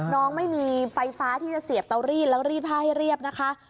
น้องไม่มีไฟฟ้าที่จะเสียบเตารีดแล้วรีดผ้าให้เรียบนะคะ